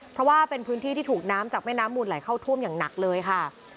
เพราะว่าเป็นพื้นที่ที่ถูกน้ำจากแม่น้ำมูลไหลเข้าท่วมอย่างหนักเลยค่ะ